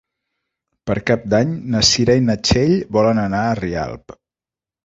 Per Cap d'Any na Cira i na Txell volen anar a Rialp.